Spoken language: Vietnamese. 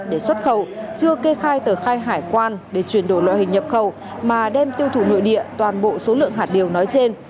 để xuất khẩu chưa kê khai tờ khai hải quan để chuyển đổi loại hình nhập khẩu mà đem tiêu thụ nội địa toàn bộ số lượng hạt điều nói trên